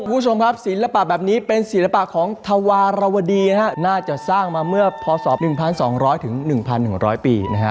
คุณผู้ชมครับศิลปะแบบนี้เป็นศิลปะของธวรรณวดีนะฮะน่าจะสร้างมาเมื่อพอสอบหนึ่งพันสองร้อยถึงหนึ่งพันหนึ่งร้อยปีนะฮะ